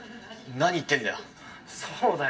何言ってんだよ。